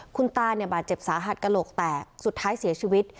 คุณตาเนี่ยบาดเจ็บสาหัสกระโหลกแตกสุดท้ายเสียชีวิต